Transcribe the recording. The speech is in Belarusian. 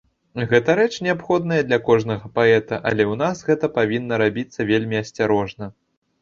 Гэта рэч неабходная для кожнага паэта, але ў нас гэта павінна рабіцца вельмі асцярожна.